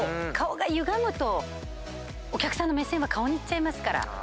顔がゆがむとお客さんの目線は顔に行っちゃいますから。